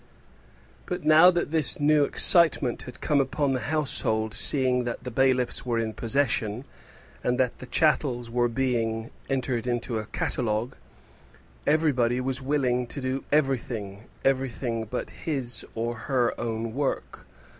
But now that this new excitement had come upon the household seeing that the bailiffs were in possession, and that the chattels were being entered in a catalogue, everybody was willing to do everything everything but his or her own work.